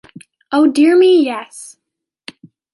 Oh, dear me, yes!